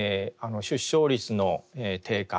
出生率の低下